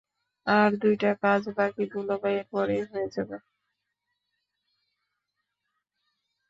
আর দুইটা কাজ বাকি, দুলাভাই এরপরেই হয়ে যাবে।